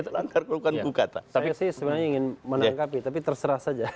tapi saya sebenarnya ingin menangkapi tapi terserah saja